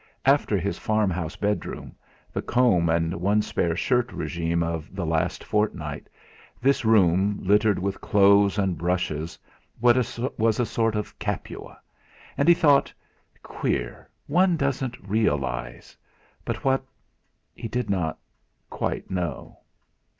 After his farmhouse bedroom, the comb and one spare shirt regime of the last fortnight, this room littered with clothes and brushes was a sort of Capua; and he thought: 'Queer one doesn't realise But what he did not quite know.